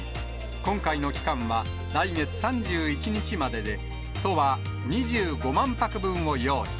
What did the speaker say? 今回の期間は来月３１日までで、都は２５万泊分を用意。